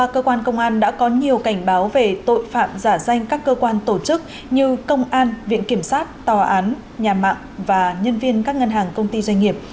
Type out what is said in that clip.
cơ quan công an đã có nhiều cảnh báo về tội phạm giả danh các cơ quan tổ chức như công an viện kiểm sát tòa án nhà mạng và nhân viên các ngân hàng công ty doanh nghiệp